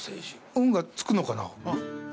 運がつくのかな？